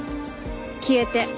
消えて。